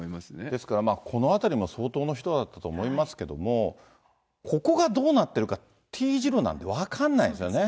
ですから、この辺りも相当な人だったと思いますけども、ここがどうなってるか、Ｔ字路なんで分かんないんですよね。